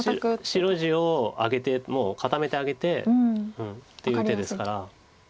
白地を固めてあげてっていう手ですから。